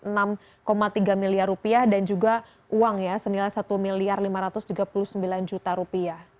rp enam tiga miliar dan juga uang ya senilai rp satu lima ratus tiga puluh sembilan